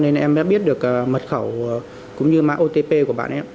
em đã biết được mật khẩu cũng như mạng otp của bạn em